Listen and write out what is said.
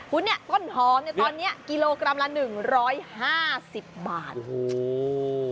คุณเนี่ยต้นหอมเนี่ยตอนเนี้ยกิโลกรัมละหนึ่งร้อยห้าสิบบาทโอ้โห